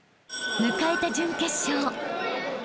［迎えた準決勝］